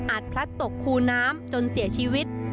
พลัดตกคูน้ำจนเสียชีวิต